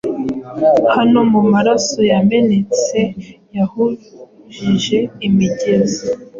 Hano mumaraso yamenetse yahujije imigezi